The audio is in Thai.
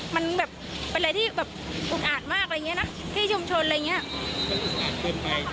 มันแบบเป็นอะไรที่แบบอุกอาดมากอะไรอย่างเงี้นะที่ชุมชนอะไรอย่างนี้